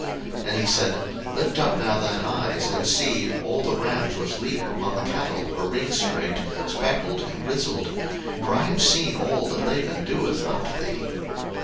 01:031:012 And he said, Lift up now thine eyes, and see, all the rams which leap upon the cattle are ringstraked, speckled, and grisled: for I have seen all that Laban doeth unto thee.